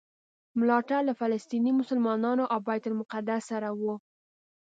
ملاتړ له فلسطیني مسلمانانو او بیت المقدس سره و.